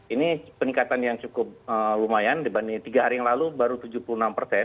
ini peningkatan yang cukup lumayan dibanding tiga hari yang lalu baru tujuh puluh enam persen